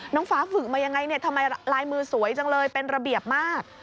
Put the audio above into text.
น้องฟ้าฝึกมายังไงเนี่ยทำไมลายมือสวยจังเลยเป็นระเบียบมาก